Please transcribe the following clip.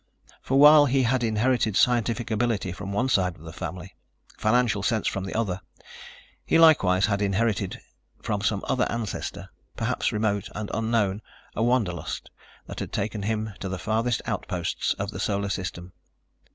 For while he had inherited scientific ability from one side of the family, financial sense from the other, he likewise had inherited from some other ancestor perhaps remote and unknown a wanderlust that had taken him to the farthest outposts of the Solar System.